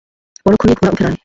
পরক্ষণেই ঘোড়া উঠে দাঁড়ায়।